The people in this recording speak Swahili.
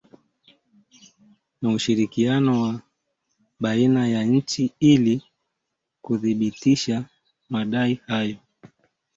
Na ushirikiano wa baina ya nchi ili kuthibitisha madai hayo